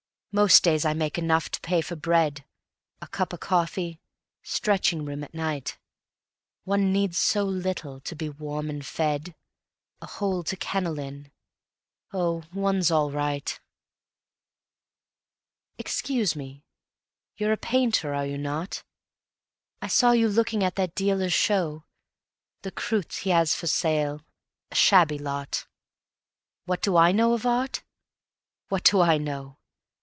Most days I make enough to pay for bread, A cup o' coffee, stretching room at night. One needs so little to be warm and fed, A hole to kennel in oh, one's all right ... Excuse me, you're a painter, are you not? I saw you looking at that dealer's show, The croûtes he has for sale, a shabby lot What do I know of Art? What do I know